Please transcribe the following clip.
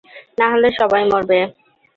নাহলে সবাই মরবে।